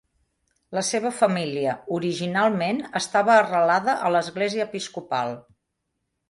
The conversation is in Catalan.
La seva família originalment estava arrelada a l'Església Episcopal.